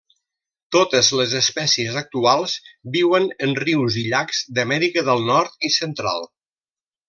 Totes les espècies actuals viuen en rius i llacs d'Amèrica del Nord i Central.